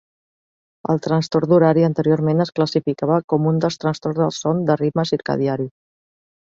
El trastorn d'horari anteriorment es classificava com un dels trastorns del son de ritme circadiari.